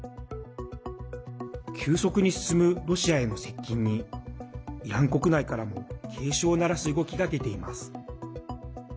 急速に進むロシアへの接近にイラン国内からも警鐘を鳴らす動きが出ています。